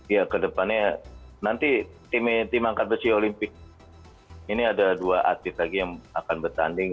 ya kedepannya nanti tim angkat besi olimpik ini ada dua atlet lagi yang akan bertanding